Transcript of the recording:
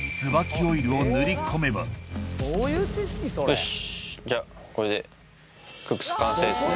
よしじゃあこれでククサ完成ですね。